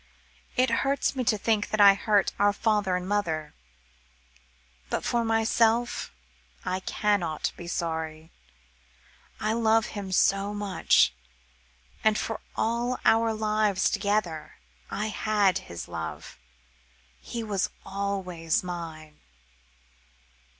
It hurts me to think that I hurt our father and mother, but for myself I cannot be sorry. I love him so, and for all our lives together, I had his love he was always mine."